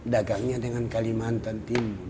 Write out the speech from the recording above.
dagangnya dengan kalimantan timur